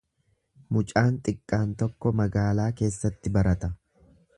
Mucaan xiqqaan tokko magaalaa keessatti barata.